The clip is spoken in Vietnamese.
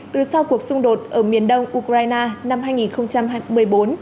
từ sau cuộc xung đột ở miền đông ukraine năm hai nghìn một mươi bốn